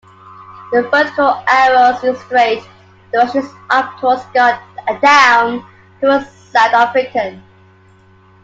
The vertical arrows illustrate the directions up towards God and down towards South African.